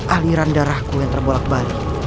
aliran darahku yang terbolak balik